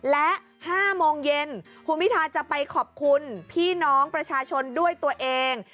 และ๕โมงเย็นคุณพิทาจะไปขอบคุณพี่น้องประชาชนด้วยตัวเอง